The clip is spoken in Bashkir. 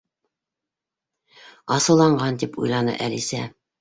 «Асыуланған!» —тип уйланы Әлисә.